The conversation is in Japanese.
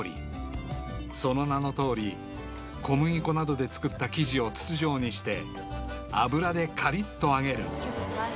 ［その名のとおり小麦粉などで作った生地を筒状にして油でカリッと揚げる］